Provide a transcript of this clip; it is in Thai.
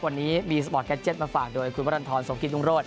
วันนี้มีสปอร์ตแก็จเจ็ตมาฝากโดยคุณวัตถอนสมกิจนุ่งโรด